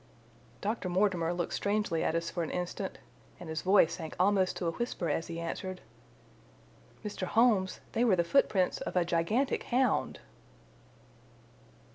Dr. Mortimer looked strangely at us for an instant, and his voice sank almost to a whisper as he answered. "Mr. Holmes, they were the footprints of a gigantic hound!"